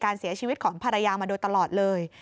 เสียชีวิตของภรรยามาโดยตลอดเลย